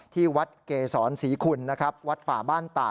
ที่วัดเกศรศรีขุนวัดป่าบ้านต่า